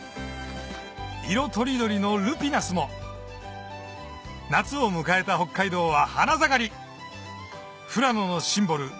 色とりどりのルピナスも夏を迎えた北海道は花盛り富良野のシンボル